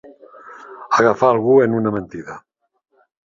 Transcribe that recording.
Agafar algú en una mentida.